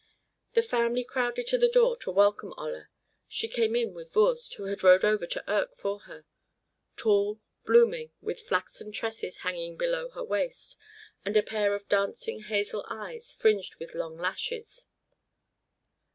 The family crowded to the door to welcome Olla. She came in with Voorst, who had rowed over to Urk for her, tall, blooming, with flaxen tresses hanging below her waist, and a pair of dancing hazel eyes fringed with long lashes.